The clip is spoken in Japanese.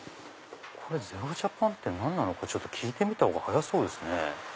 ＺＥＲＯＪＡＰＡＮって何なのか聞いてみたほうが早そうですね。